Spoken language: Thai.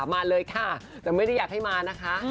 มาเลยค่ะแต่ไม่ได้อยากให้มานะคะ